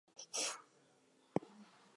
He handed the mouse to the girl and she ate it.